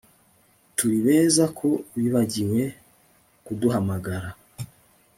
Turi beza ko bibagiwe kuduhamagara